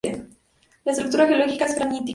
La estructura geológica es granítica.